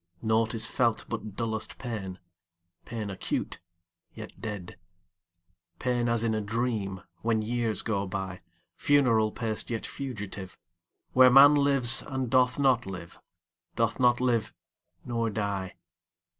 Naught is felt but dullest pain, Pain acute, yet dead; Pain as in a dream, When years go byFuneral paced, yet fugitive, When man lives, and doth not live, Doth not live—nor die.